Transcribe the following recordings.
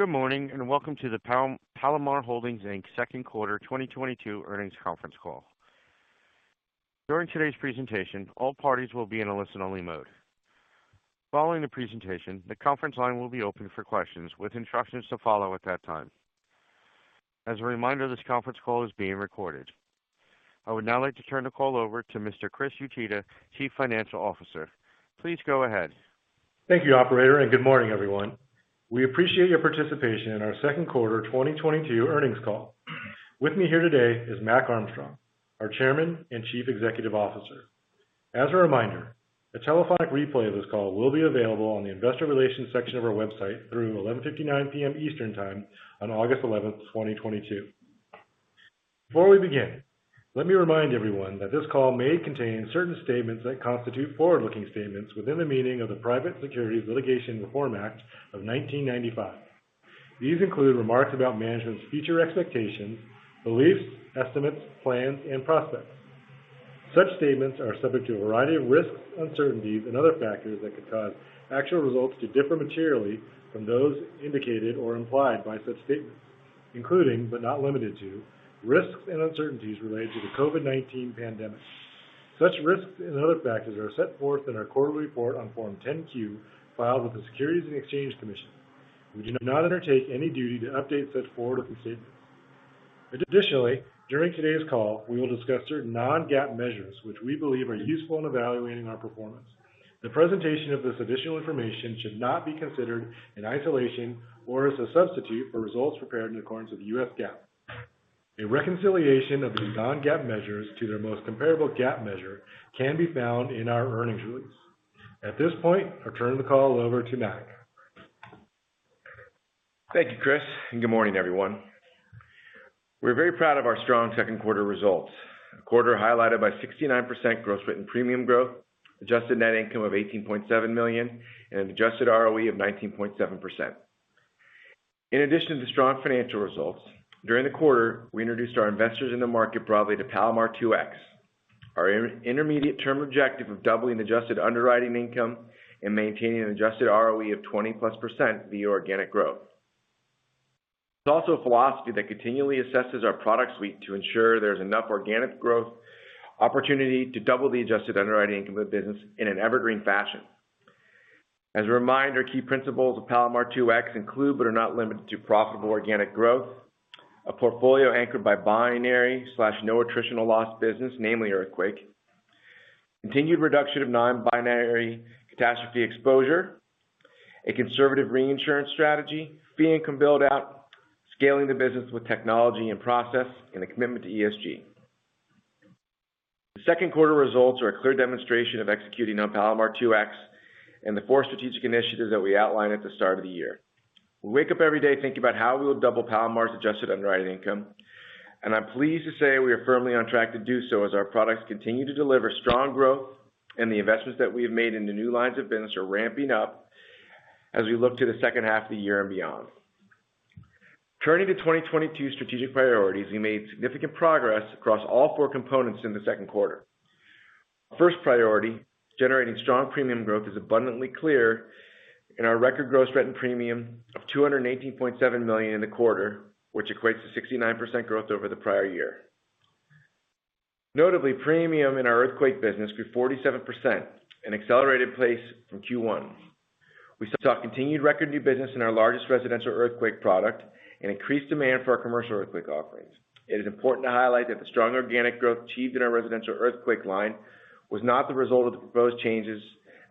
Good morning, and welcome to the Palomar Holdings, Inc.'s second quarter 2022 earnings conference call. During today's presentation, all parties will be in a listen-only mode. Following the presentation, the conference line will be open for questions with instructions to follow at that time. As a reminder, this conference call is being recorded. I would now like to turn the call over to Mr. Chris Uchida, Chief Financial Officer. Please go ahead. Thank you operator, and good morning, everyone. We appreciate your participation in our second quarter 2022 earnings call. With me here today is Mac Armstrong, our Chairman and Chief Executive Officer. As a reminder, a telephonic replay of this call will be available on the Investor Relations section of our website through 11:59 P.M. Eastern time on August 11, 2022. Before we begin, let me remind everyone that this call may contain certain statements that constitute forward-looking statements within the meaning of the Private Securities Litigation Reform Act of 1995. These include remarks about management's future expectations, beliefs, estimates, plans, and prospects. Such statements are subject to a variety of risks, uncertainties, and other factors that could cause actual results to differ materially from those indicated or implied by such statements, including but not limited to risks and uncertainties related to the COVID-19 pandemic. Such risks and other factors are set forth in our quarterly report on Form 10-Q filed with the Securities and Exchange Commission. We do not undertake any duty to update such forward-looking statements. Additionally, during today's call, we will discuss certain non-GAAP measures which we believe are useful in evaluating our performance. The presentation of this additional information should not be considered in isolation or as a substitute for results prepared in accordance with U.S. GAAP. A reconciliation of these non-GAAP measures to their most comparable GAAP measure can be found in our earnings release. At this point, I'll turn the call over to Mac. Thank you, Chris, and good morning, everyone. We're very proud of our strong second quarter results. A quarter highlighted by 69% gross written premium growth, adjusted net income of $18.7 million and an adjusted ROE of 19.7%. In addition to strong financial results, during the quarter, we introduced our investors in the market broadly to Palomar 2X. Our intermediate term objective of doubling adjusted underwriting income and maintaining an adjusted ROE of 20%+ via organic growth. It's also a philosophy that continually assesses our product suite to ensure there's enough organic growth opportunity to double the adjusted underwriting income of business in an evergreen fashion. As a reminder, key principles of Palomar 2X include, but are not limited to, profitable organic growth, a portfolio anchored by binary/no attritional loss business, namely earthquake, continued reduction of non-binary catastrophe exposure, a conservative reinsurance strategy, fee income build-out, scaling the business with technology and process, and a commitment to ESG. The second quarter results are a clear demonstration of executing on Palomar 2X and the four strategic initiatives that we outlined at the start of the year. We wake up every day thinking about how we will double Palomar's adjusted underwriting income, and I'm pleased to say we are firmly on track to do so as our products continue to deliver strong growth and the investments that we have made in the new lines of business are ramping up as we look to the second half of the year and beyond. Turning to 2022 strategic priorities, we made significant progress across all four components in the second quarter. Our first priority, generating strong premium growth, is abundantly clear in our record gross written premium of $218.7 million in the quarter, which equates to 69% growth over the prior year. Notably, premium in our earthquake business grew 47%, an accelerated pace from Q1. We saw continued record new business in our largest residential earthquake product and increased demand for our commercial earthquake offerings. It is important to highlight that the strong organic growth achieved in our residential earthquake line was not the result of the proposed changes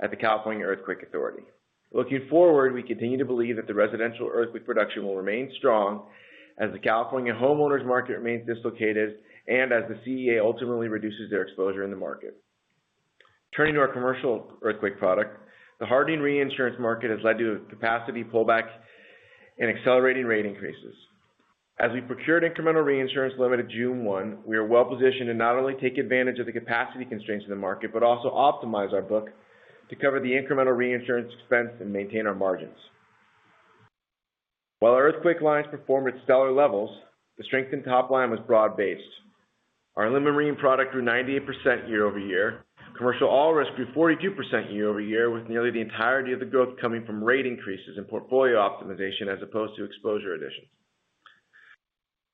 at the California Earthquake Authority. Looking forward, we continue to believe that the residential earthquake production will remain strong as the California homeowners market remains dislocated and as the CEA ultimately reduces their exposure in the market. Turning to our commercial earthquake product, the hardening reinsurance market has led to a capacity pullback and accelerating rate increases. As we procured incremental reinsurance limit at June 1, we are well positioned to not only take advantage of the capacity constraints in the market, but also optimize our book to cover the incremental reinsurance expense and maintain our margins. While our earthquake lines perform at stellar levels, the strength in top line was broad-based. Our limited marine product grew 98% year-over-year. Commercial all-risk grew 42% year-over-year, with nearly the entirety of the growth coming from rate increases and portfolio optimization as opposed to exposure additions.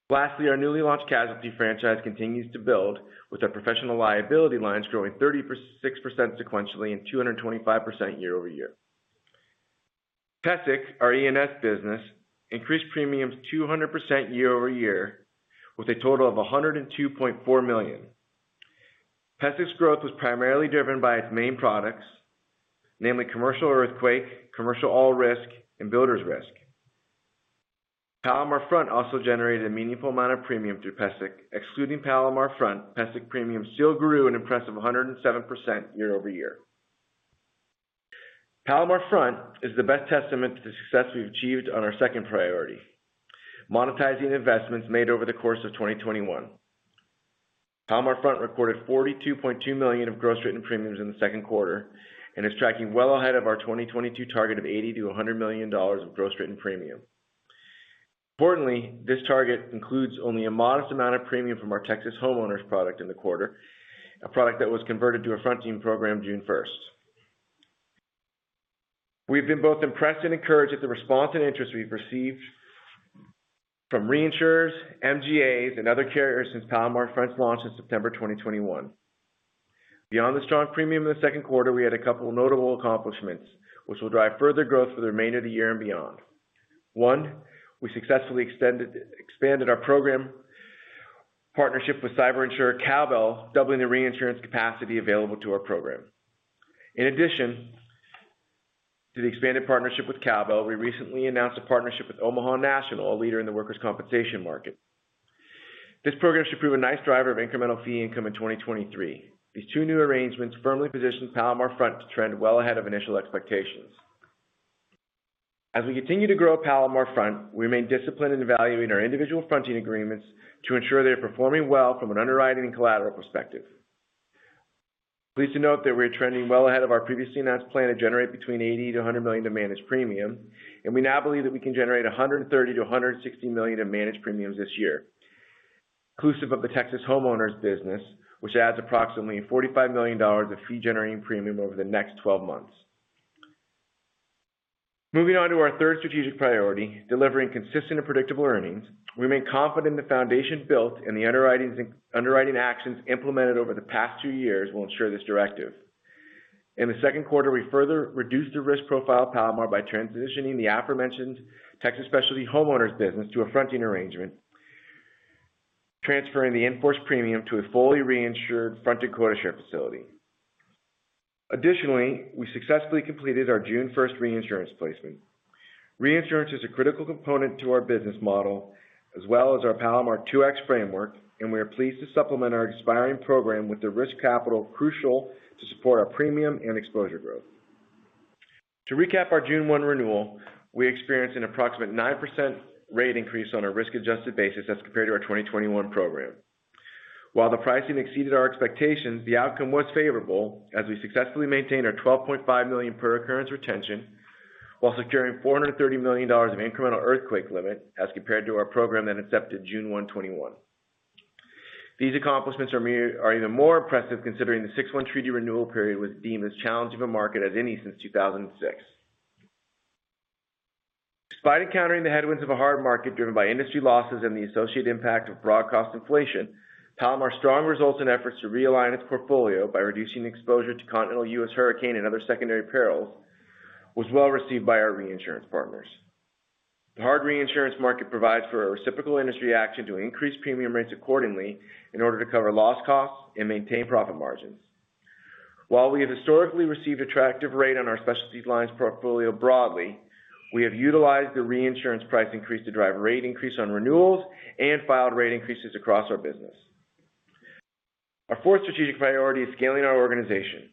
Lastly, our newly launched casualty franchise continues to build with our professional liability lines growing 36% sequentially and 225% year-over-year. PESIC, our E&S business, increased premiums 200% year-over-year with a total of $102.4 million. PESIC's growth was primarily driven by its main products, namely commercial earthquake, commercial all-risk, and builders risk. PLMR-FRONT also generated a meaningful amount of premium through PESIC. Excluding PLMR-FRONT, PESIC premiums still grew an impressive 107% year-over-year. PLMR-FRONT is the best testament to the success we've achieved on our second priority, monetizing investments made over the course of 2021. PLMR-FRONT recorded $42.2 million of gross written premiums in the second quarter and is tracking well ahead of our 2022 target of $80 million-$100 million of gross written premium. Importantly, this target includes only a modest amount of premium from our Texas homeowners product in the quarter, a product that was converted to a Fronting program June 1. We've been both impressed and encouraged at the response and interest we've received from reinsurers, MGAs, and other carriers since PLMR-FRONT's launch in September 2021. Beyond the strong premium in the second quarter, we had a couple notable accomplishments which will drive further growth for the remainder of the year and beyond. One, we successfully expanded our program partnership with cyber insurer Cowbell, doubling the reinsurance capacity available to our program. In addition to the expanded partnership with Cowbell, we recently announced a partnership with Omaha National, a leader in the workers' compensation market. This program should prove a nice driver of incremental fee income in 2023. These two new arrangements firmly positioned PLMR-FRONT to trend well ahead of initial expectations. As we continue to grow PLMR-FRONT, we remain disciplined in evaluating our individual Fronting agreements to ensure they are performing well from an underwriting and collateral perspective. Pleased to note that we are trending well ahead of our previously announced plan to generate between $80 million-$100 million in managed premium, and we now believe that we can generate $130 million-$160 million in managed premiums this year, inclusive of the Texas homeowners business, which adds approximately $45 million of fee-generating premium over the next 12 months. Moving on to our third strategic priority, delivering consistent and predictable earnings. We remain confident the foundation built and the underwriting actions implemented over the past two years will ensure this directive. In the second quarter, we further reduced the risk profile of Palomar by transitioning the aforementioned Texas Specialty homeowners business to a Fronting arrangement, transferring the in-force premium to a fully reinsured fronted quota share facility. Additionally, we successfully completed our June 1 reinsurance placement. Reinsurance is a critical component to our business model as well as our Palomar 2X framework, and we are pleased to supplement our expiring program with the risk capital crucial to support our premium and exposure growth. To recap our June 1 renewal, we experienced an approximate 9% rate increase on our risk-adjusted basis as compared to our 2021 program. While the pricing exceeded our expectations, the outcome was favorable as we successfully maintained our $12.5 million per occurrence retention while securing $430 million of incremental earthquake limit as compared to our program that accepted June 1, 2021. These accomplishments are even more impressive considering the June 1 treaty renewal period was deemed as challenging a market as any since 2006. Despite encountering the headwinds of a hard market driven by industry losses and the associated impact of broad cost inflation, Palomar's strong results and efforts to realign its portfolio by reducing exposure to continental U.S. hurricane and other secondary perils was well-received by our reinsurance partners. The hard reinsurance market provides for a reciprocal industry action to increase premium rates accordingly in order to cover loss costs and maintain profit margins. While we have historically received attractive rate on our specialty lines portfolio broadly, we have utilized the reinsurance price increase to drive rate increase on renewals and filed rate increases across our business. Our fourth strategic priority is scaling our organization.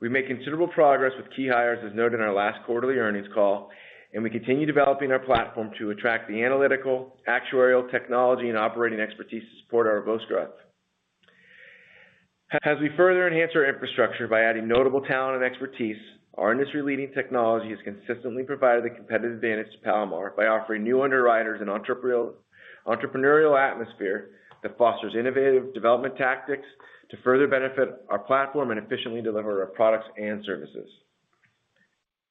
We made considerable progress with key hires, as noted in our last quarterly earnings call, and we continue developing our platform to attract the analytical, actuarial, technology, and operating expertise to support our robust growth. As we further enhance our infrastructure by adding notable talent and expertise, our industry-leading technology has consistently provided a competitive advantage to Palomar by offering new underwriters an entrepreneurial atmosphere that fosters innovative development tactics to further benefit our platform and efficiently deliver our products and services.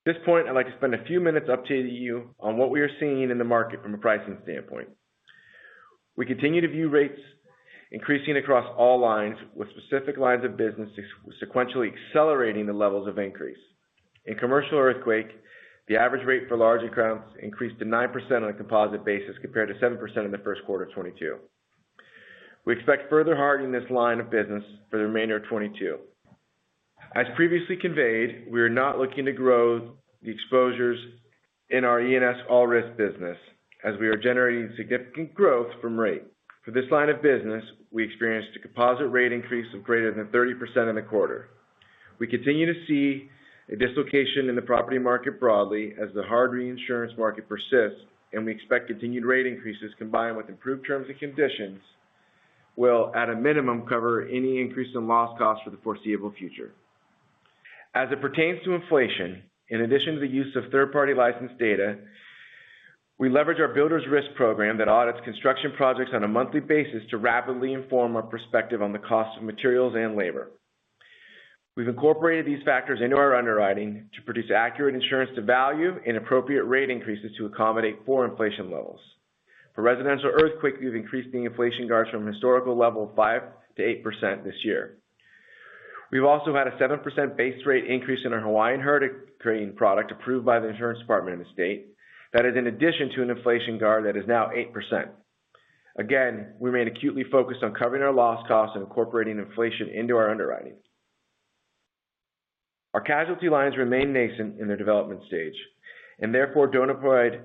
At this point, I'd like to spend a few minutes updating you on what we are seeing in the market from a pricing standpoint. We continue to view rates increasing across all lines, with specific lines of business sequentially accelerating the levels of increase. In commercial earthquake, the average rate for large accounts increased to 9% on a composite basis, compared to 7% in the first quarter of 2022. We expect further hardening this line of business for the remainder of 2022. As previously conveyed, we are not looking to grow the exposures in our E&S all risk business as we are generating significant growth from rate. For this line of business, we experienced a composite rate increase of greater than 30% in the quarter. We continue to see a dislocation in the property market broadly as the hard reinsurance market persists, and we expect continued rate increases combined with improved terms and conditions will, at a minimum, cover any increase in loss costs for the foreseeable future. As it pertains to inflation, in addition to the use of third-party licensed data, we leverage our builders risk program that audits construction projects on a monthly basis to rapidly inform our perspective on the cost of materials and labor. We've incorporated these factors into our underwriting to produce accurate insurance to value and appropriate rate increases to accommodate for inflation levels. For residential earthquake, we've increased the inflation guards from a historical level of 5%-8% this year. We've also had a 7% base rate increase in our Hawaiian hurricane product approved by the insurance department of the state. That is in addition to an inflation guard that is now 8%. Again, we remain acutely focused on covering our loss costs and incorporating inflation into our underwriting. Our casualty lines remain nascent in their development stage and therefore don't provide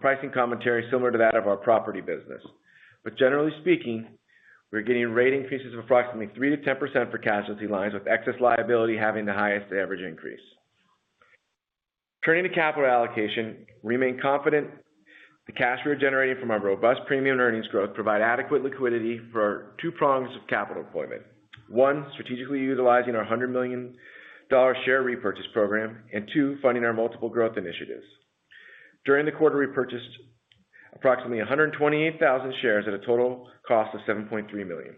pricing commentary similar to that of our property business. Generally speaking, we're getting rate increases of approximately 3%-10% for casualty lines, with excess liability having the highest average increase. Turning to capital allocation, we remain confident the cash we're generating from our robust premium earnings growth provide adequate liquidity for our two prongs of capital deployment. One, strategically utilizing our $100 million share repurchase program, and two, funding our multiple growth initiatives. During the quarter, we purchased approximately 128,000 shares at a total cost of $7.3 million.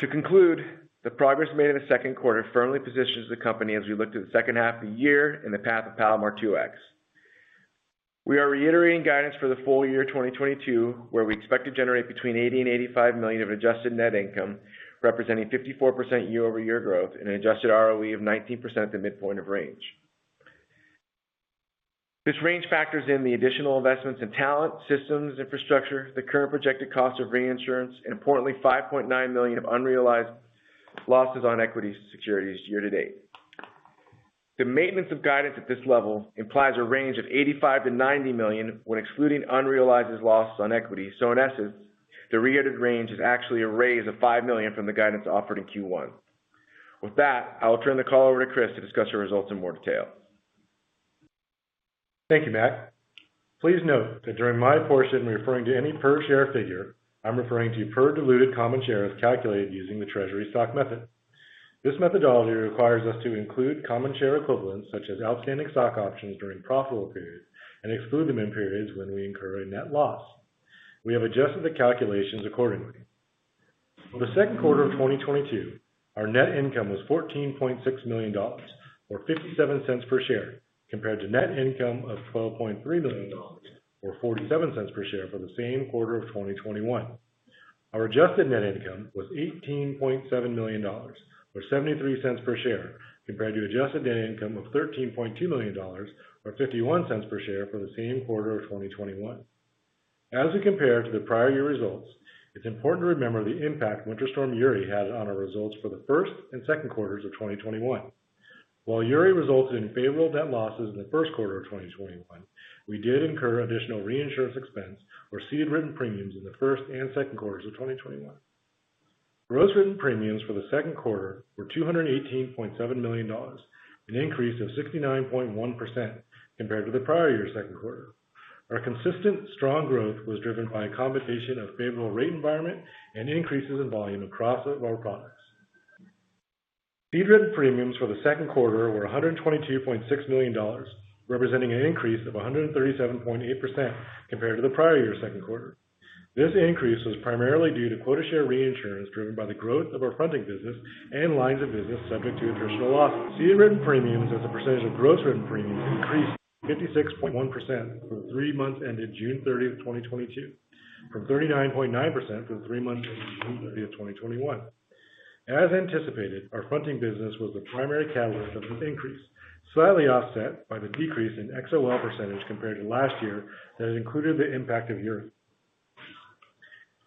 To conclude, the progress made in the second quarter firmly positions the company as we look to the second half of the year in the path of Palomar 2X. We are reiterating guidance for the full-year 2022, where we expect to generate between $80 million-$85 million of adjusted net income, representing 54% year-over-year growth and an adjusted ROE of 19% at the midpoint of range. This range factors in the additional investments in talent, systems, infrastructure, the current projected cost of reinsurance, and importantly, $5.9 million of unrealized losses on equity securities year-to-date. The maintenance of guidance at this level implies a range of $85 million-$90 million when excluding unrealized losses on equity. In essence, the reiterated range is actually a raise of $5 million from the guidance offered in Q1. With that, I'll turn the call over to Chris to discuss our results in more detail. Thank you, Mac. Please note that during my portion, when referring to any per share figure, I'm referring to per diluted common share as calculated using the treasury stock method. This methodology requires us to include common share equivalents such as outstanding stock options during profitable periods and exclude them in periods when we incur a net loss. We have adjusted the calculations accordingly. For the second quarter of 2022, our net income was $14.6 million or $0.57 per share, compared to net income of $12.3 million or $0.47 per share for the same quarter of 2021. Our adjusted net income was $18.7 million or $0.73 per share, compared to adjusted net income of $13.2 million or $0.51 per share for the same quarter of 2021. As we compare to the prior year results, it's important to remember the impact Winter Storm Uri had on our results for the first and second quarters of 2021. While Uri resulted in favorable net losses in the first quarter of 2021, we did incur additional reinsurance expense or ceded written premiums in the first and second quarters of 2021. Gross written premiums for the second quarter were $218.7 million, an increase of 69.1% compared to the prior year second quarter. Our consistent strong growth was driven by a combination of favorable rate environment and increases in volume across our products. Ceded written premiums for the second quarter were $122.6 million, representing an increase of 137.8% compared to the prior year second quarter. This increase was primarily due to quota share reinsurance driven by the growth of our Fronting business and lines of business subject to attritional losses. Ceded written premiums as a percentage of gross written premiums increased to 56.1% for the three months ended June 30, 2022, from 39.9% for the three months ended June 30, 2021. As anticipated, our Fronting business was the primary catalyst of this increase, slightly offset by the decrease in XOL percentage compared to last year that included the impact of Uri.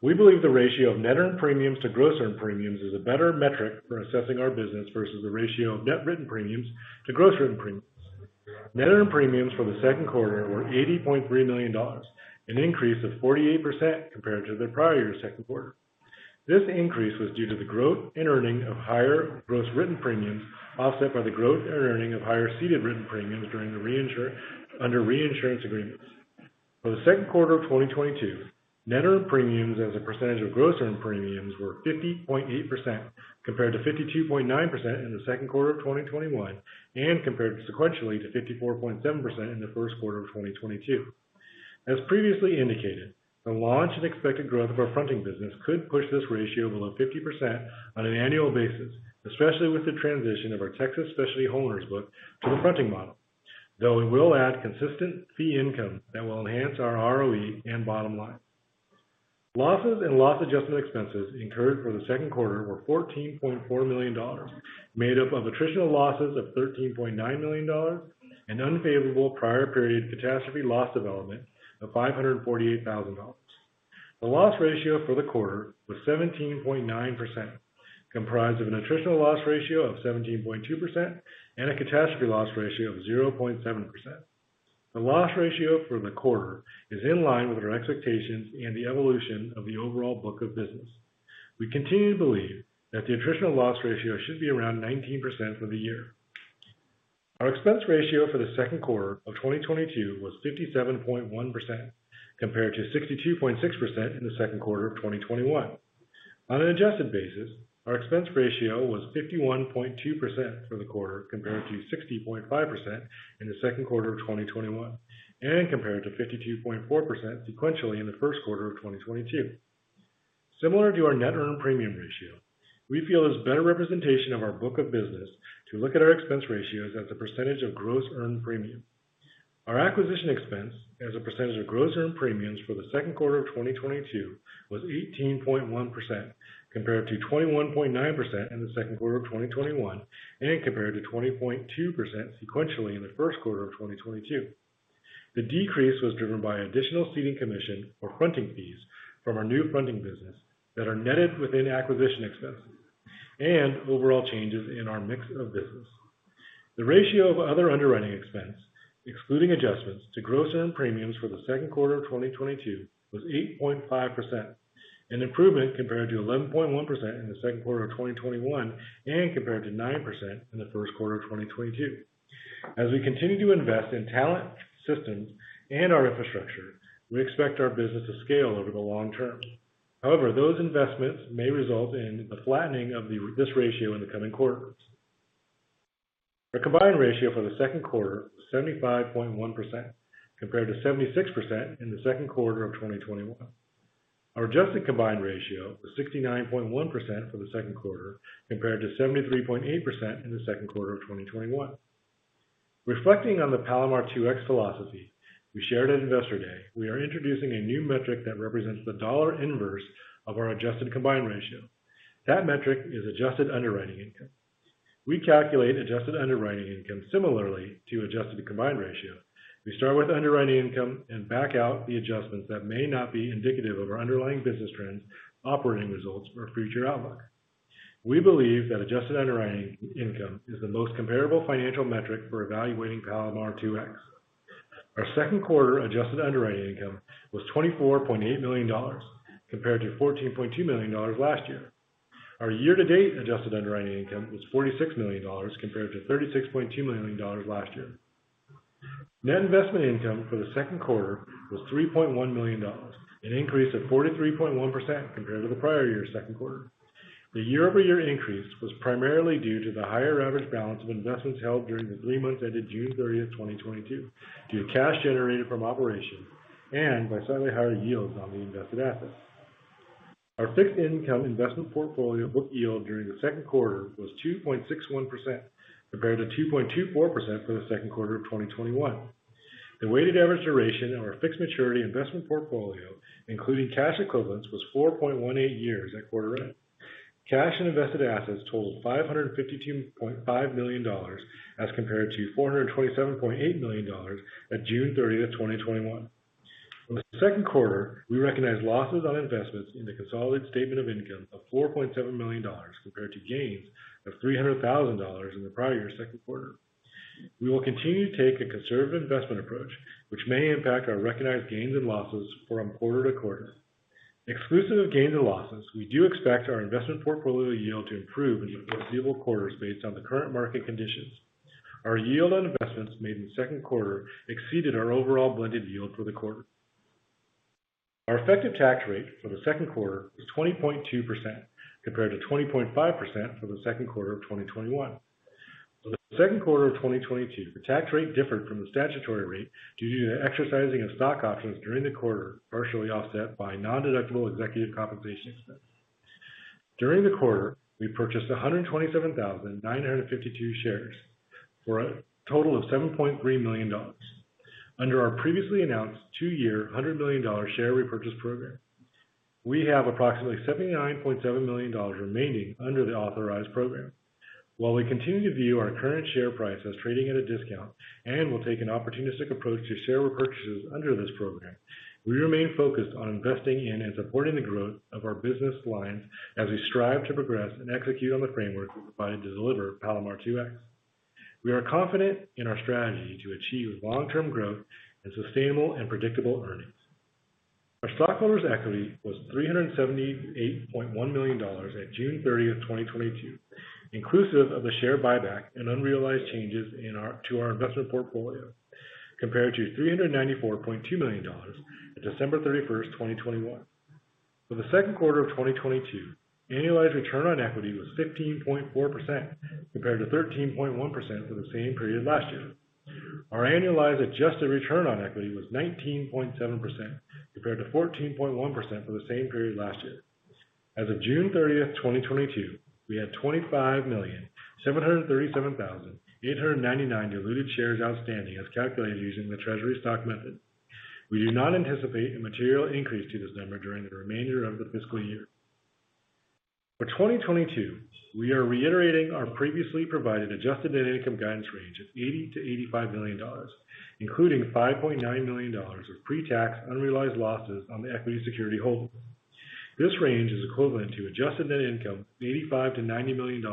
We believe the ratio of net earned premiums to gross earned premiums is a better metric for assessing our business versus the ratio of net written premiums to gross written premiums. Net earned premiums for the second quarter were $80.3 million, an increase of 48% compared to the prior year second quarter. This increase was due to the growth and earning of higher gross written premiums, offset by the growth and earning of higher ceded written premiums under reinsurance agreements. For the second quarter of 2022, net earned premiums as a percentage of gross earned premiums were 50.8% compared to 52.9% in the second quarter of 2021, and compared sequentially to 54.7% in the first quarter of 2022. As previously indicated, the launch and expected growth of our Fronting business could push this ratio below 50% on an annual basis, especially with the transition of our Texas Specialty homeowners book to the Fronting model, though it will add consistent fee income that will enhance our ROE and bottom line. Losses and loss adjustment expenses incurred for the second quarter were $14.4 million, made up of attritional losses of $13.9 million and unfavorable prior period catastrophe loss development of $548 thousand. The loss ratio for the quarter was 17.9%, comprised of an attritional loss ratio of 17.2% and a catastrophe loss ratio of 0.7%. The loss ratio for the quarter is in line with our expectations and the evolution of the overall book of business. We continue to believe that the attritional loss ratio should be around 19% for the year. Our expense ratio for the second quarter of 2022 was 57.1% compared to 62.6% in the second quarter of 2021. On an adjusted basis, our expense ratio was 51.2% for the quarter compared to 60.5% in the second quarter of 2021, and compared to 52.4% sequentially in the first quarter of 2022. Similar to our net earned premium ratio, we feel it's better representation of our book of business to look at our expense ratios as a percentage of gross earned premium. Our acquisition expense as a percentage of gross earned premiums for the second quarter of 2022 was 18.1%, compared to 21.9% in the second quarter of 2021, and compared to 20.2% sequentially in the first quarter of 2022. The decrease was driven by additional ceded commission or Fronting fees from our new Fronting business that are netted within acquisition expenses and overall changes in our mix of business. The ratio of other underwriting expense, excluding adjustments to gross earned premiums for the second quarter of 2022 was 8.5%, an improvement compared to 11.1% in the second quarter of 2021 and compared to 9% in the first quarter of 2022. As we continue to invest in talent, systems, and our infrastructure, we expect our business to scale over the long term. However, those investments may result in the flattening of this ratio in the coming quarters. Our combined ratio for the second quarter was 75.1% compared to 76% in the second quarter of 2021. Our adjusted combined ratio was 69.1% for the second quarter compared to 73.8% in the second quarter of 2021. Reflecting on the Palomar 2X philosophy we shared at Investor Day, we are introducing a new metric that represents the dollar inverse of our adjusted combined ratio. That metric is adjusted underwriting income. We calculate adjusted underwriting income similarly to adjusted combined ratio. We start with underwriting income and back out the adjustments that may not be indicative of our underlying business trends, operating results, or future outlook. We believe that adjusted underwriting income is the most comparable financial metric for evaluating Palomar 2X. Our second quarter adjusted underwriting income was $24.8 million compared to $14.2 million last year. Our year-to-date adjusted underwriting income was $46 million compared to $36.2 million last year. Net investment income for the second quarter was $3.1 million, an increase of 43.1% compared to the prior year second quarter. The year-over-year increase was primarily due to the higher average balance of investments held during the three months ended June 30, 2022, due to cash generated from operations and by slightly higher yields on the invested assets. Our fixed income investment portfolio book yield during the second quarter was 2.61% compared to 2.24% for the second quarter of 2021. The weighted average duration of our fixed maturity investment portfolio, including cash equivalents, was 4.18 years at quarter end. Cash and invested assets totaled $552.5 million as compared to $427.8 million at June 30, 2021. For the second quarter, we recognized losses on investments in the consolidated statement of income of $4.7 million compared to gains of $300,000 in the prior year second quarter. We will continue to take a conservative investment approach, which may impact our recognized gains and losses from quarter to quarter. Exclusive of gains and losses, we do expect our investment portfolio yield to improve in the foreseeable quarters based on the current market conditions. Our yield on investments made in the second quarter exceeded our overall blended yield for the quarter. Our effective tax rate for the second quarter was 20.2% compared to 20.5% for the second quarter of 2021. For the second quarter of 2022, the tax rate differed from the statutory rate due to the exercising of stock options during the quarter, partially offset by nondeductible executive compensation expense. During the quarter, we purchased 127,952 shares for a total of $7.3 million under our previously announced two-year, $100 million share repurchase program. We have approximately $79.7 million remaining under the authorized program. While we continue to view our current share price as trading at a discount and will take an opportunistic approach to share repurchases under this program, we remain focused on investing in and supporting the growth of our business lines as we strive to progress and execute on the framework we provided to deliver Palomar 2X. We are confident in our strategy to achieve long-term growth and sustainable and predictable earnings. Our stockholders' equity was $378.1 million at June 30th, 2022, inclusive of the share buyback and unrealized changes in our investment portfolio, compared to $394.2 million at December 31st, 2021. For the second quarter of 2022, annualized return on equity was 15.4% compared to 13.1% for the same period last year. Our annualized adjusted return on equity was 19.7% compared to 14.1% for the same period last year. As of June 30, 2022, we had 25,737,899 diluted shares outstanding as calculated using the treasury stock method. We do not anticipate a material increase to this number during the remainder of the fiscal year. For 2022, we are reiterating our previously provided adjusted net income guidance range of $80 million-$85 million, including $5.9 million of pre-tax unrealized losses on the equity security holdings. This range is equivalent to adjusted net income of $85 million-$90 million,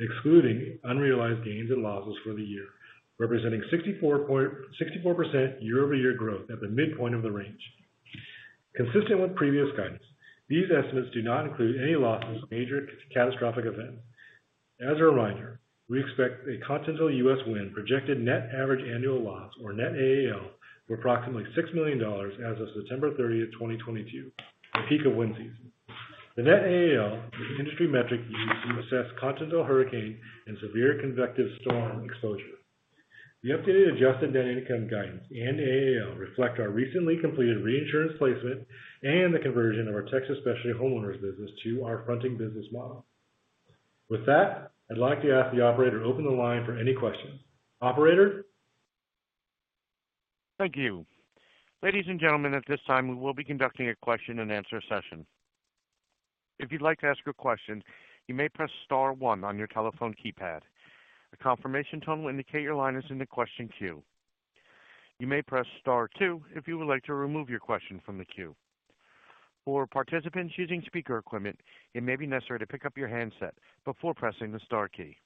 excluding unrealized gains and losses for the year, representing 64.64% year-over-year growth at the midpoint of the range. Consistent with previous guidance, these estimates do not include any losses from major catastrophic events. As a reminder, we expect a continental U.S. wind projected net average annual loss, or net AAL, of approximately $6 million as of September 30th, 2022, the peak of wind season. The net AAL is an industry metric used to assess continental hurricane and severe convective storm exposure. The updated adjusted net income guidance and AAL reflect our recently completed reinsurance placement and the conversion of our Texas Specialty homeowners business to our Fronting business model. With that, I'd like to ask the operator to open the line for any questions. Operator? Thank you. Ladies and gentlemen, at this time, we will be conducting a question-and-answer session. If you'd like to ask a question, you may press star one on your telephone keypad. A confirmation tone will indicate your line is in the question queue. You may press star two if you would like to remove your question from the queue. For participants using speaker equipment, it may be necessary to pick up your handset before pressing the star key.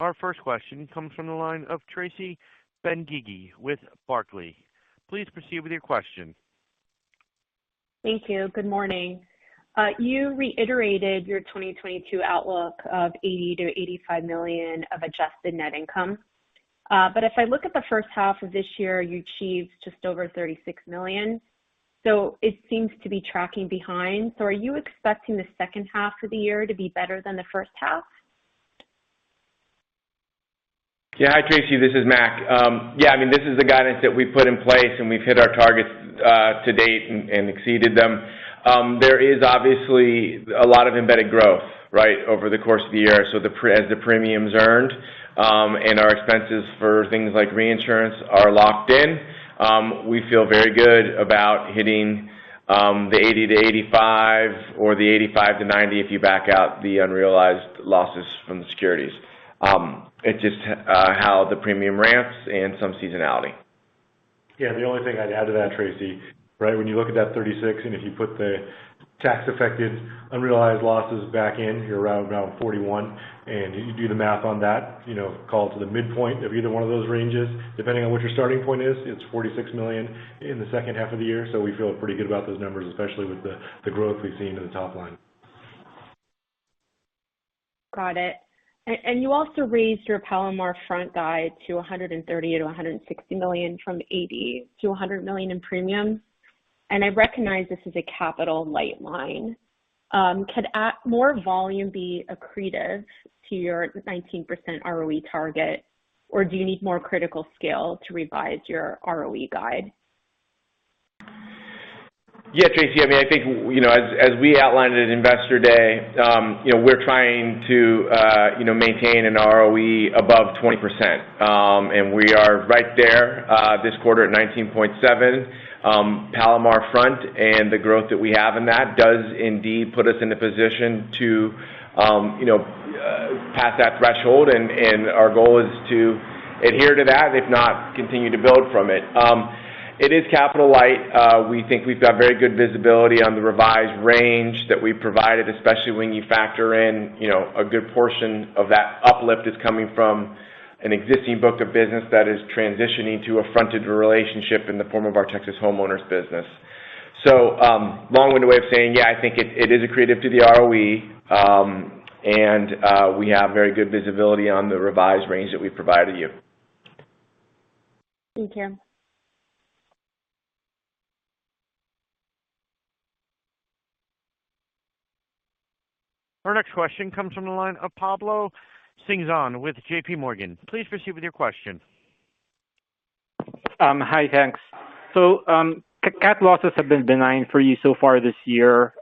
Our first question comes from the line of Tracy Benguigui with Barclays. Please proceed with your question. Thank you. Good morning. You reiterated your 2022 outlook of $80 million-$85 million of adjusted net income. If I look at the first half of this year, you achieved just over $36 million. It seems to be tracking behind. Are you expecting the second half of the year to be better than the first half? Yeah. Hi, Tracy, this is Mac. Yeah, I mean, this is the guidance that we put in place, and we've hit our targets to date and exceeded them. There is obviously a lot of embedded growth, right, over the course of the year. As the premium's earned, and our expenses for things like reinsurance are locked in, we feel very good about hitting the 80%-85% or the 85%-90% if you back out the unrealized losses from the securities. It's just how the premium ramps and some seasonality. Yeah. The only thing I'd add to that, Tracy, right, when you look at that $36 million, and if you put the tax affected unrealized losses back in, you're around $41 million. You do the math on that, you know, call to the midpoint of either one of those ranges. Depending on what your starting point is, it's $46 million in the second half of the year. We feel pretty good about those numbers, especially with the growth we've seen in the top line. Got it. You also raised your PLMR-FRONT guide to $130 million-$160 million from $80 million-$100 million in premiums. I recognize this is a capital light line. Could more volume be accretive to your 19% ROE target, or do you need more critical scale to revise your ROE guide? Yeah, Tracy. I mean, I think, you know, as we outlined at Investor Day, you know, we're trying to, you know, maintain an ROE above 20%. We are right there, this quarter at 19.7%. PLMR-FRONT and the growth that we have in that does indeed put us in a position to, you know, pass that threshold. Our goal is to adhere to that, if not, continue to build from it. It is capital light. We think we've got very good visibility on the revised range that we've provided, especially when you factor in, you know, a good portion of that uplift is coming from an existing book of business that is transitioning to a fronted relationship in the form of our Texas homeowners business. Long-winded way of saying, yeah, I think it is accretive to the ROE. We have very good visibility on the revised range that we've provided you. Thank you. Our next question comes from the line of Pablo Singzon with JPMorgan. Please proceed with your question. Hi. Thanks. Cat losses have been benign for you so far this year.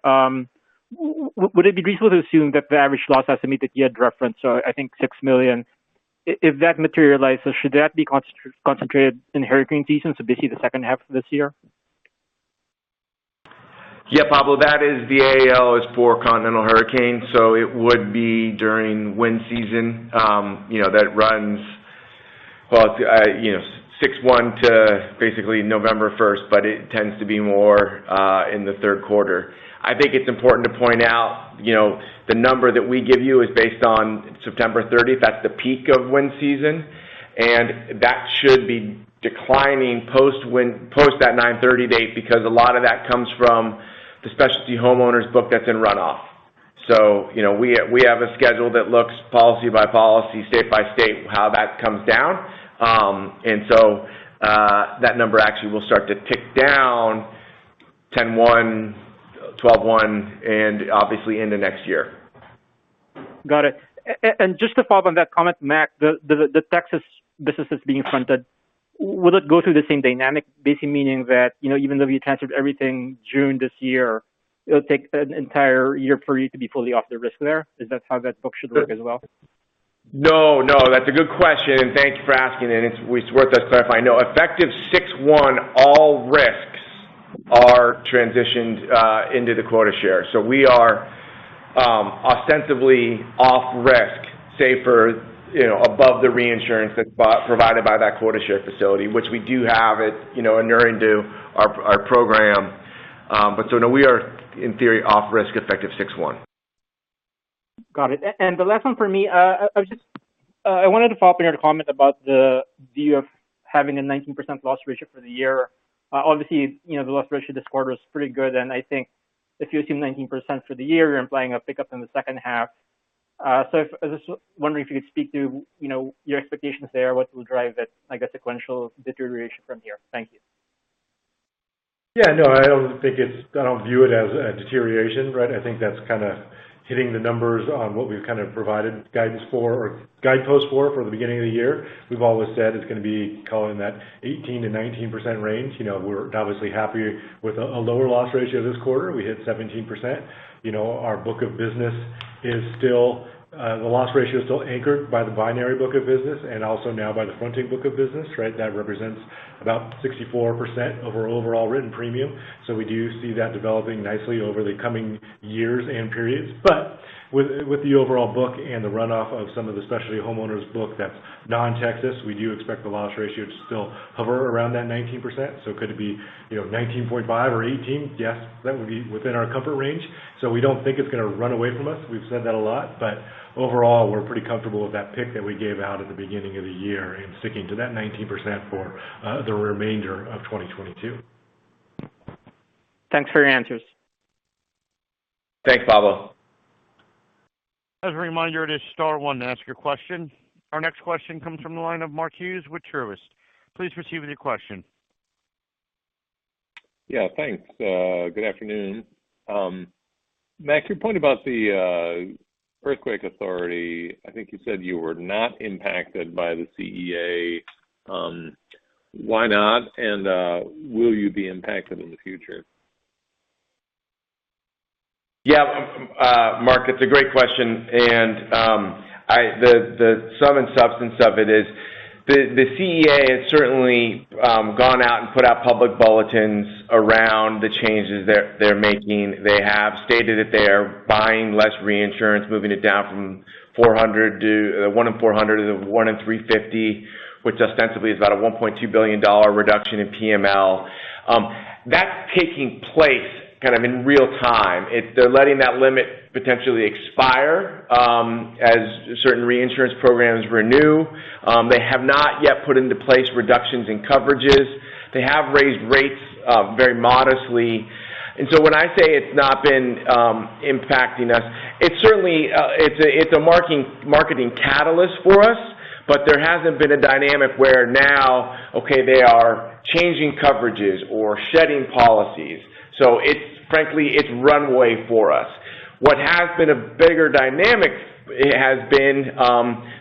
Would it be reasonable to assume that the average loss estimated you had referenced, so I think $6 million, if that materializes, should that be concentrated in hurricane season, so basically the second half of this year? Yeah, Pablo. That is the AAL is for continental hurricane, so it would be during wind season. You know, that runs 6/1 to basically November first, but it tends to be more in the third quarter. I think it's important to point out, you know, the number that we give you is based on September 30th. That's the peak of wind season, and that should be declining post that 9/30 date because a lot of that comes from the specialty homeowners book that's in runoff. You know, we have a schedule that looks policy by policy, state by state, how that comes down. That number actually will start to tick down 10/1, 12/1, and obviously into next year. Got it. Just to follow up on that comment, Mac, the Texas businesses being fronted, will it go through the same dynamic, basically meaning that, you know, even though you transferred everything June this year, it'll take an entire year for you to be fully off the risk there? Is that how that book should work as well? No, no. That's a good question, and thank you for asking it. It's worth us clarifying. No. Effective 6/1, all risks are transitioned into the quota share. We are ostensibly off risk, safer, you know, above the reinsurance that's provided by that quota share facility, which we do have at, you know, inure into our program. No, we are, in theory, off risk effective 6/1. Got it. The last one for me. I wanted to follow up on your comment about the view of having a 19% loss ratio for the year. Obviously, you know, the loss ratio this quarter was pretty good. I think if you assume 19% for the year, you're implying a pickup in the second half. I was just wondering if you could speak to, you know, your expectations there. What will drive it, like, a sequential deterioration from here? Thank you. Yeah, no. I don't view it as a deterioration, right? I think that's kinda hitting the numbers on what we've kind of provided guidance for or guideposts for from the beginning of the year. We've always said it's gonna be in that 18%-19% range. You know, we're obviously happy with a lower loss ratio this quarter. We hit 17%. You know, our book of business is still the loss ratio is still anchored by the binary book of business and also now by the Fronting book of business, right? That represents about 64% of our overall written premium. We do see that developing nicely over the coming years and periods. With the overall book and the runoff of some of the specialty homeowners book that's non-Texas, we do expect the loss ratio to still hover around that 19%. So could it be, you know, 19.5% or 18%? Yes, that would be within our comfort range. So we don't think it's gonna run away from us. We've said that a lot. But overall, we're pretty comfortable with that pick that we gave out at the beginning of the year and sticking to that 19% for the remainder of 2022. Thanks for your answers. Thanks, Pablo. As a reminder, it is star one to ask your question. Our next question comes from the line of Mark Hughes with Truist. Please proceed with your question. Yeah, thanks. Good afternoon. Mac, your point about the earthquake authority, I think you said you were not impacted by the CEA. Why not? Will you be impacted in the future? Yeah. Mark, it's a great question. The sum and substance of it is the CEA has certainly gone out and put out public bulletins around the changes they're making. They have stated that they are buying less reinsurance, moving it down from one in 400 to one in 350, which ostensibly is about a $1.2 billion reduction in PML. That's taking place kind of in real time. They're letting that limit potentially expire as certain reinsurance programs renew. They have not yet put into place reductions in coverages. They have raised rates very modestly. When I say it's not been impacting us, it's certainly a marketing catalyst for us, but there hasn't been a dynamic where now, okay, they are changing coverages or shedding policies. Frankly, it's runway for us. What has been a bigger dynamic has been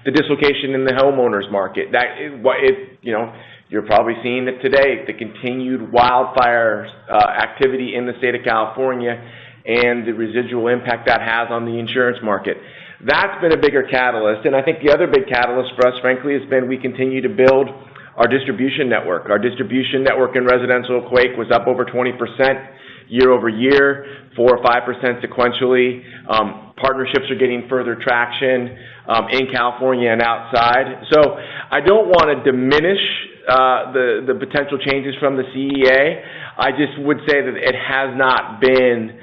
the dislocation in the homeowners market. That is what. You know, you're probably seeing it today, the continued wildfire activity in the state of California and the residual impact that has on the insurance market. That's been a bigger catalyst. I think the other big catalyst for us, frankly, has been we continue to build our distribution network. Our distribution network in residential quake was up over 20% year-over-year, 4% or 5% sequentially. Partnerships are getting further traction in California and outside. I don't want to diminish the potential changes from the CEA. I just would say that it has not been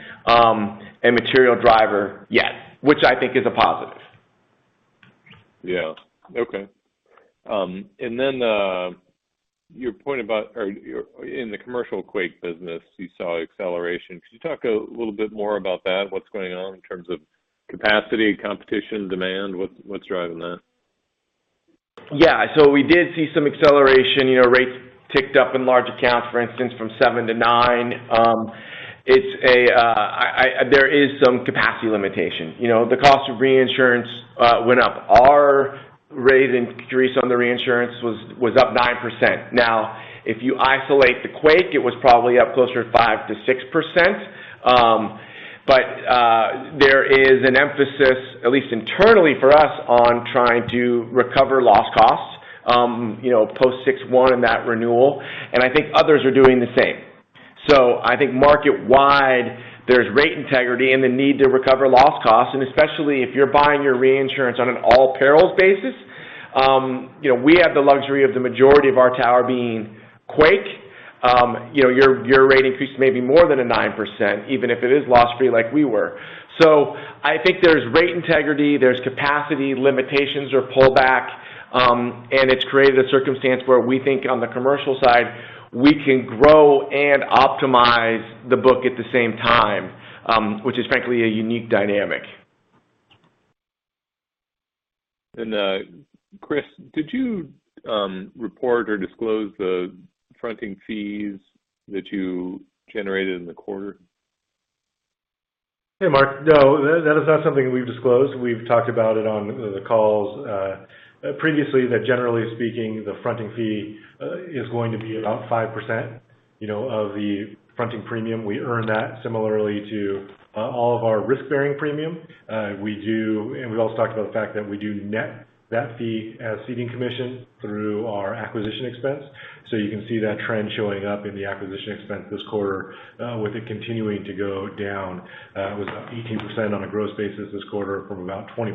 a material driver yet, which I think is a positive. Yeah. Okay. Your point about in the commercial quake business, you saw acceleration. Could you talk a little bit more about that? What's going on in terms of capacity, competition, demand? What's driving that? Yeah. We did see some acceleration. You know, rates ticked up in large accounts, for instance, from 7% to 9%. There is some capacity limitation. You know, the cost of reinsurance went up. Our rate increase on the reinsurance was up 9%. Now, if you isolate the quake, it was probably up closer to 5%-6%. There is an emphasis, at least internally for us, on trying to recover lost costs, you know, post 6/1 in that renewal, and I think others are doing the same. I think market-wide there's rate integrity and the need to recover lost costs, and especially if you're buying your reinsurance on an all-perils basis. You know, we have the luxury of the majority of our tower being quake. You know, your rate increase may be more than 9%, even if it is loss-free like we were. I think there's rate integrity, there's capacity limitations or pullback, and it's created a circumstance where we think on the commercial side, we can grow and optimize the book at the same time, which is frankly a unique dynamic. Chris, did you report or disclose the Fronting fees that you generated in the quarter? Hey, Mark. No, that is not something we've disclosed. We've talked about it on the calls previously, that generally speaking, the Fronting fee is going to be about 5%, you know, of the Fronting premium. We earn that similarly to all of our risk-bearing premium. We do and we've also talked about the fact that we do net that fee as ceding commission through our acquisition expense. You can see that trend showing up in the acquisition expense this quarter with it continuing to go down. It was up 18% on a gross basis this quarter from about 20%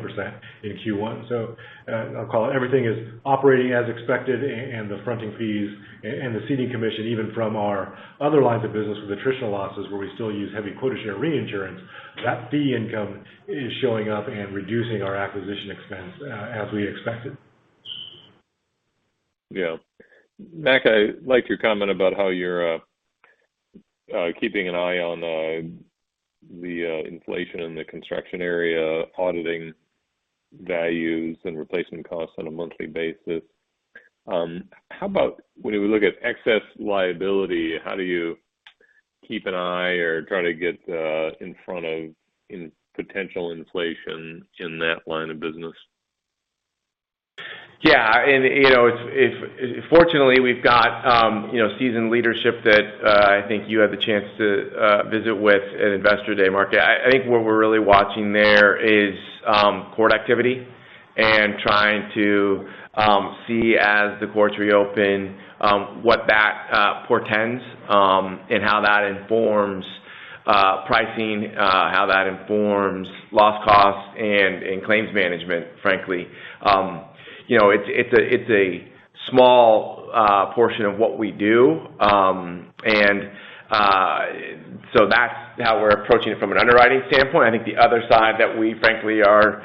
in Q1. I'll call it everything is operating as expected and the Fronting fees and the ceding commission, even from our other lines of business with attritional losses where we still use heavy quota share reinsurance. That fee income is showing up and reducing our acquisition expense, as we expected. Yeah. Mac, I like your comment about how you're keeping an eye on the inflation in the construction area, auditing values and replacement costs on a monthly basis. How about when we look at excess liability? How do you keep an eye or try to get in front of potential inflation in that line of business? Yeah. Fortunately, we've got seasoned leadership that I think you had the chance to visit with at Investor Day, Mark. I think what we're really watching there is court activity and trying to see as the courts reopen what that portends and how that informs pricing, how that informs loss costs and claims management, frankly. You know, it's a small portion of what we do. That's how we're approaching it from an underwriting standpoint. I think the other side that we frankly are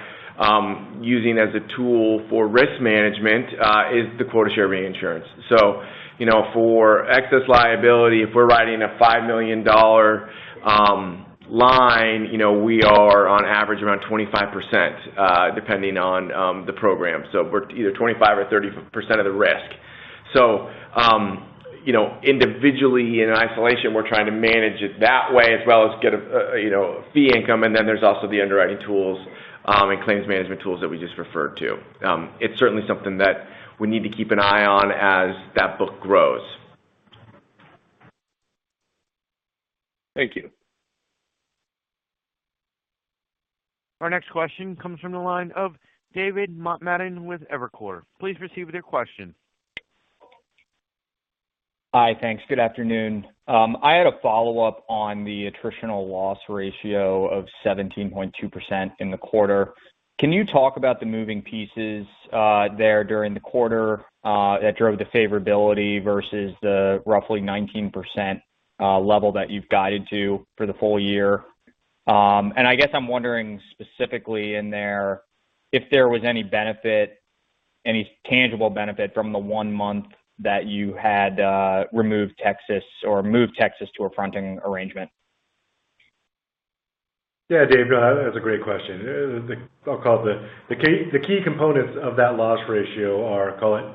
using as a tool for risk management is the quota share reinsurance. You know, for excess liability, if we're writing a $5 million line, you know, we are on average around 25%, depending on the program. We're either 25% or 30% of the risk. You know, individually in isolation, we're trying to manage it that way as well as get a, you know, a fee income. There's also the underwriting tools and claims management tools that we just referred to. It's certainly something that we need to keep an eye on as that book grows. Thank you. Our next question comes from the line of David Motemaden with Evercore. Please proceed with your question. Hi. Thanks. Good afternoon. I had a follow-up on the attritional loss ratio of 17.2% in the quarter. Can you talk about the moving pieces there during the quarter that drove the favorability versus the roughly 19% level that you've guided to for the full-year? I guess I'm wondering specifically in there, if there was any benefit, any tangible benefit from the one month that you had removed Texas or moved Texas to a Fronting arrangement. Yeah. David, that's a great question. The key components of that loss ratio are, call it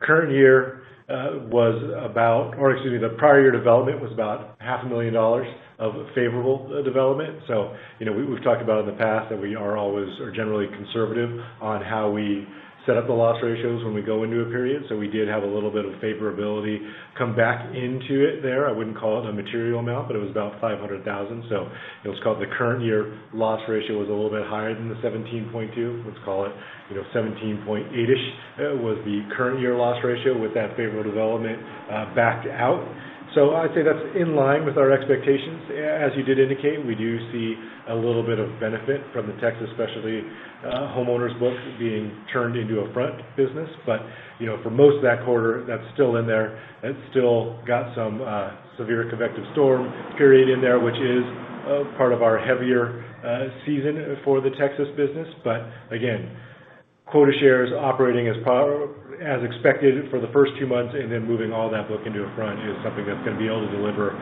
current year, or excuse me, the prior year development was about $500,000 of favorable development. So, you know, we've talked about in the past that we are always generally conservative on how we set up the loss ratios when we go into a period. So we did have a little bit of favorability come back into it there. I wouldn't call it a material amount, but it was about $500,000. So the current year loss ratio was a little bit higher than the 17.2%. Let's call it, you know, 17.8%-ish was the current year loss ratio with that favorable development backed out. I'd say that's in line with our expectations. As you did indicate, we do see a little bit of benefit from the Texas Specialty homeowners book being turned into a Fronting business. You know, for most of that quarter, that's still in there, it's still got some severe convective storm period in there, which is part of our heavier season for the Texas business. Again, quota shares operating as expected for the first two months and then moving all that book into a Fronting is something that's gonna be able to deliver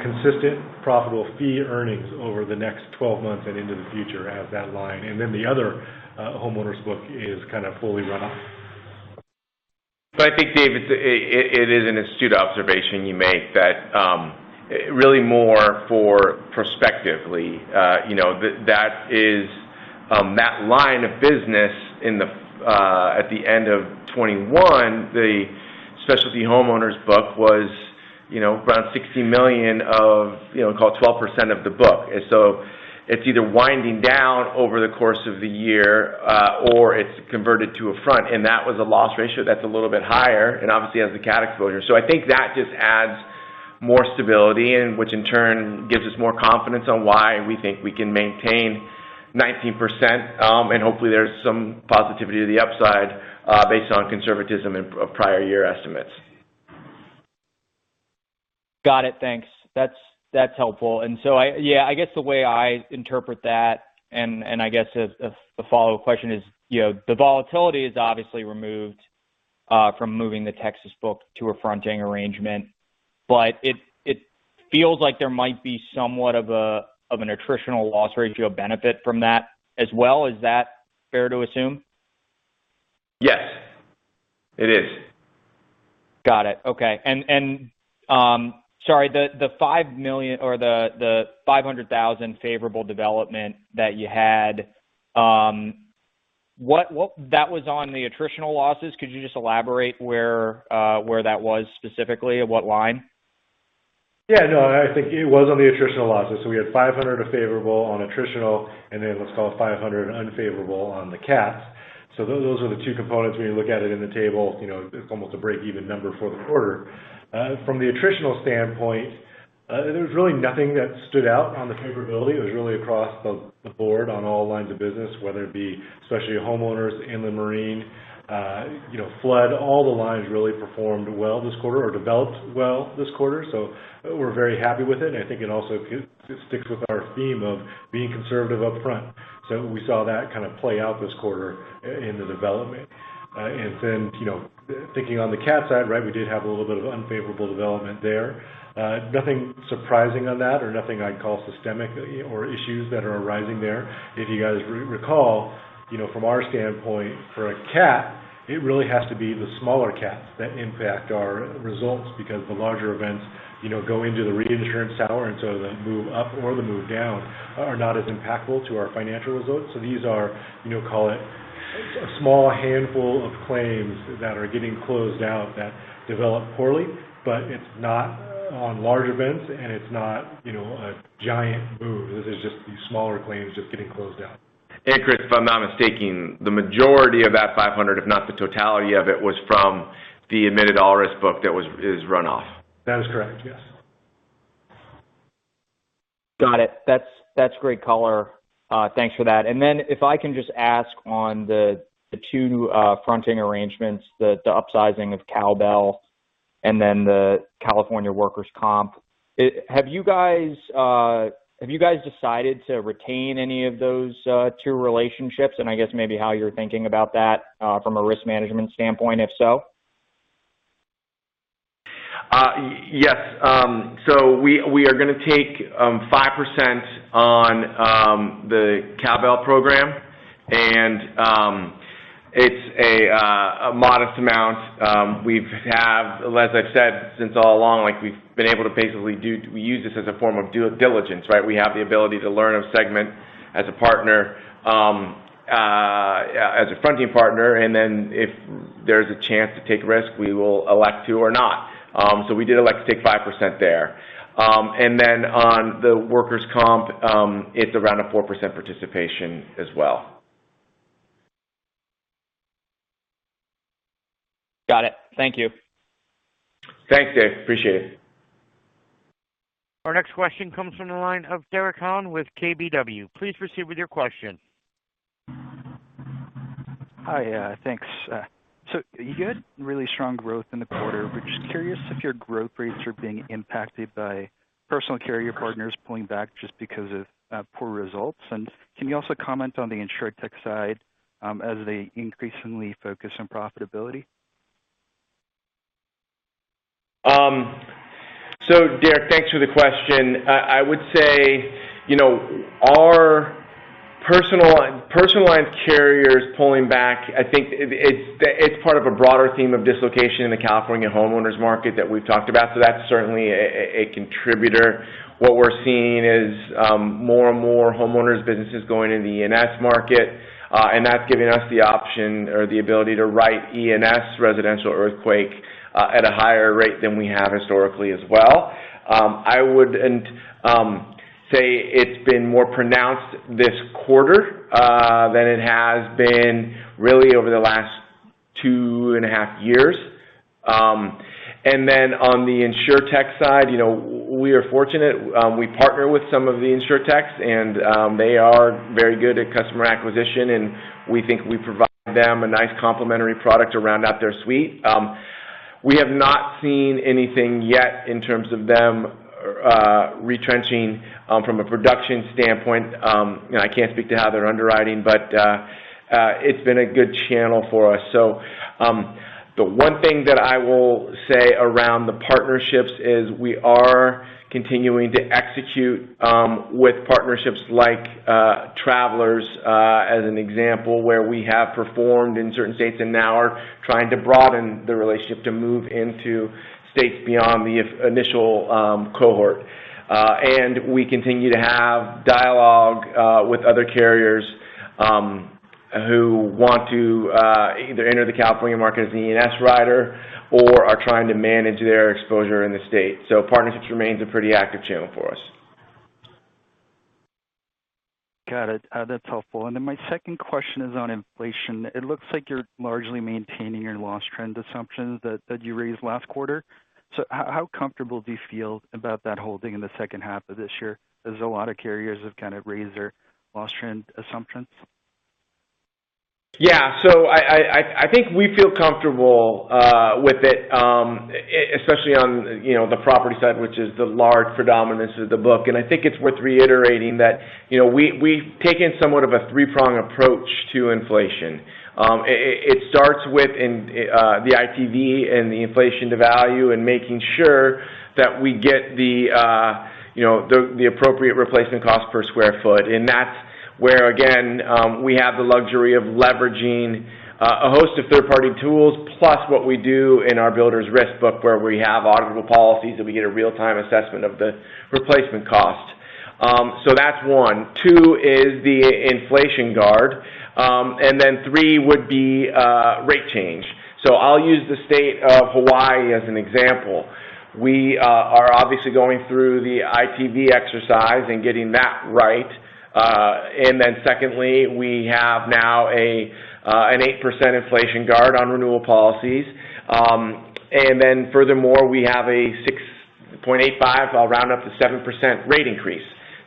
consistent profitable fee earnings over the next 12 months and into the future as that line. Then the other homeowners book is kind of fully run off. I think, David, it is an astute observation you make that really more prospectively, you know, that line of business at the end of 2021, the specialty homeowners book was, you know, around $60 million, you know, call it 12% of the book. It's either winding down over the course of the year, or it's converted to a front, and that was a loss ratio that's a little bit higher and obviously has the cat exposure. I think that just adds more stability and which in turn gives us more confidence on why we think we can maintain 19%. Hopefully, there's some positivity to the upside, based on conservatism in prior year estimates. Got it. Thanks. That's helpful. I guess the way I interpret that, and I guess as the follow-up question is, you know, the volatility is obviously removed from moving the Texas book to a Fronting arrangement, but it feels like there might be somewhat of an attritional loss ratio benefit from that as well. Is that fair to assume? Yes. It is. Got it. Okay. Sorry, the $5 million or the $500,000 favorable development that you had, that was on the attritional losses. Could you just elaborate where that was specifically and what line? Yeah. No, I think it was on the attritional losses. We had $500,000 of favorable on attritional, and then let's call it $500,000 unfavorable on the cat. Those are the two components when you look at it in the table, you know, it's almost a break-even number for the quarter. From the attritional standpoint, there's really nothing that stood out on the favorability. It was really across the board on all lines of business, whether it be specialty homeowners and the marine, you know, flood, all the lines really performed well this quarter or developed well this quarter. We're very happy with it, and I think it also sticks with our theme of being conservative upfront. We saw that kind of play out this quarter in the development. You know, thinking on the cat side, right, we did have a little bit of unfavorable development there. Nothing surprising on that or nothing I'd call systemic or issues that are arising there. If you guys recall, you know, from our standpoint for a cat, it really has to be the smaller cats that impact our results because the larger events, you know, go into the reinsurance tower. The move up or the move down are not as impactful to our financial results. These are, you know, call it a small handful of claims that are getting closed out that develop poorly, but it's not on large events and it's not, you know, a giant move. This is just these smaller claims just getting closed out. Chris, if I'm not mistaken, the majority of that $500,000, if not the totality of it, was from the admitted all-risk book that is run off. That is correct. Yes. Got it. That's great color. Thanks for that. If I can just ask on the two Fronting arrangements, the upsizing of Cowbell and then the California workers comp. Have you guys decided to retain any of those two relationships? I guess maybe how you're thinking about that from a risk management standpoint, if so? Yes. So we are gonna take 5% on the CEA program. It's a modest amount. As I've said all along, like, we've been able to basically use this as a form of due diligence, right? We have the ability to learn the segment as a partner, as a Fronting partner, and then if there's a chance to take risk, we will elect to or not. We did elect to take 5% there. On the workers' comp, it's around a 4% participation as well. Got it. Thank you. Thanks, Dave. Appreciate it. Our next question comes from the line of Derek Han with KBW. Please proceed with your question. Hi. Thanks. You had really strong growth in the quarter. We're just curious if your growth rates are being impacted by personal carrier partners pulling back just because of poor results. Can you also comment on the insurtech side, as they increasingly focus on profitability? Derek, thanks for the question. I would say, you know, our personal lines carriers pulling back, I think it's part of a broader theme of dislocation in the California homeowners market that we've talked about, so that's certainly a contributor. What we're seeing is more and more homeowners, businesses going into the E&S market, and that's giving us the option or the ability to write E&S residential earthquake at a higher rate than we have historically as well. I wouldn't say it's been more pronounced this quarter than it has been really over the last two and a half years. Then on the insurtech side, you know, we are fortunate. We partner with some of the insurtechs, and they are very good at customer acquisition, and we think we provide them a nice complementary product to round out their suite. We have not seen anything yet in terms of them retrenching from a production standpoint. You know, I can't speak to how they're underwriting, but it's been a good channel for us. The one thing that I will say around the partnerships is we are continuing to execute with partnerships like Travelers, as an example, where we have performed in certain states and now are trying to broaden the relationship to move into states beyond the initial cohort. We continue to have dialogue with other carriers who want to either enter the California market as an E&S writer or are trying to manage their exposure in the state. Partnerships remains a pretty active channel for us. Got it. That's helpful. My second question is on inflation. It looks like you're largely maintaining your loss trend assumptions that you raised last quarter. How comfortable do you feel about that holding in the second half of this year, as a lot of carriers have kind of raised their loss trend assumptions? Yeah. I think we feel comfortable with it, especially on, you know, the property side, which is the large predominance of the book. I think it's worth reiterating that, you know, we've taken somewhat of a three-prong approach to inflation. It starts with the ITV and the inflation to value and making sure that we get the appropriate replacement cost per square foot. That's where, again, we have the luxury of leveraging a host of third-party tools, plus what we do in our builders risk book, where we have auditable policies that we get a real-time assessment of the replacement cost. That's one. Two is the inflation guard. Three would be rate change. I'll use the state of Hawaii as an example. We are obviously going through the ITV exercise and getting that right. We have now an 8% inflation guard on renewal policies. We have a 6.85%, I'll round up to 7% rate increase.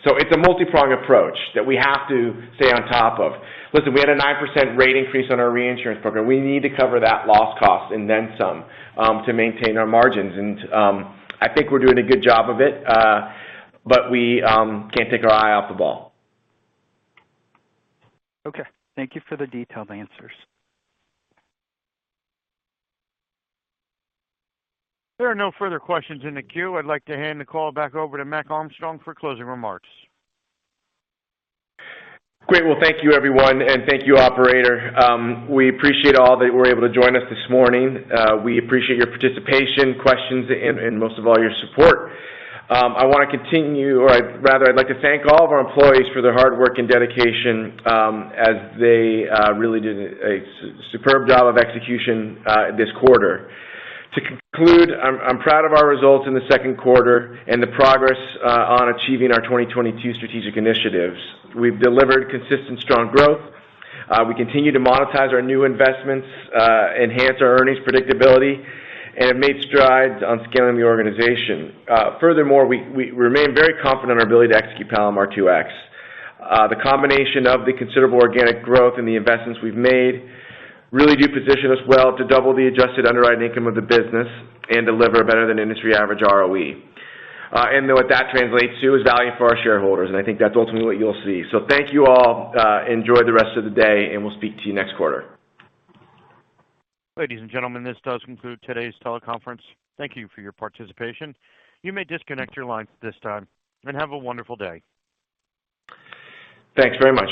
It's a multipronged approach that we have to stay on top of. Listen, we had a 9% rate increase on our reinsurance program. We need to cover that loss cost and then some to maintain our margins. I think we're doing a good job of it. We can't take our eye off the ball. Okay. Thank you for the detailed answers. There are no further questions in the queue. I'd like to hand the call back over to Mac Armstrong for closing remarks. Great. Well, thank you everyone, and thank you operator. We appreciate all that were able to join us this morning. We appreciate your participation, questions, and most of all, your support. I wanna continue, or rather, I'd like to thank all of our employees for their hard work and dedication, as they really did a superb job of execution this quarter. To conclude, I'm proud of our results in the second quarter and the progress on achieving our 2022 strategic initiatives. We've delivered consistent strong growth. We continue to monetize our new investments, enhance our earnings predictability, and have made strides on scaling the organization. Furthermore, we remain very confident in our ability to execute Palomar 2X. The combination of the considerable organic growth and the investments we've made really do position us well to double the adjusted underwriting income of the business and deliver better than industry average ROE. What that translates to is value for our shareholders, and I think that's ultimately what you'll see. Thank you all. Enjoy the rest of the day, and we'll speak to you next quarter. Ladies and gentlemen, this does conclude today's teleconference. Thank you for your participation. You may disconnect your lines at this time, and have a wonderful day. Thanks very much.